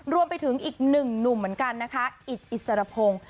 รวมไปถึงอีกหนึ่งหนุ่มเหมือนกันนะคะอิดอิสรพงศ์